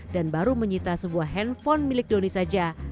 dan baru menyita sebuah handphone milik doni saja